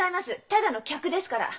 ただの客ですから。